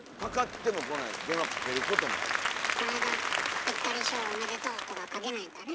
「こないだピッタリ賞おめでとう」とかかけないんだね。